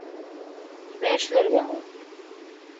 Нимә эшләргә һуң?!